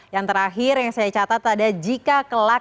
yang terakhir yang saya catat ada